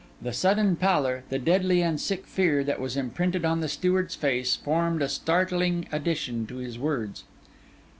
The sudden pallor, the deadly and sick fear, that was imprinted on the steward's face, formed a startling addition to his words.